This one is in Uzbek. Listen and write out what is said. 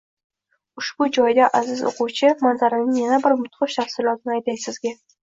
Ushbu joyda, aziz o‘quvchi, manzaraning yana bir mudhish tafsilotini aytay Sizga.